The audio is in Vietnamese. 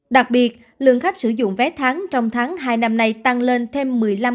đặc biệt lượng khách sử dụng vé tháng trong tháng hai năm nay tăng lên thêm một mươi năm